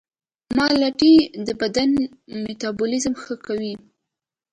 مالټې د بدن میتابولیزم ښه کوي.